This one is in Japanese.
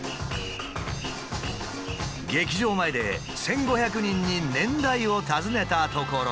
劇場前で１，５００人に年代を尋ねたところ。